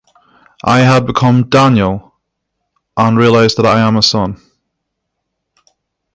I had become "Daniel" and realized that I am a son.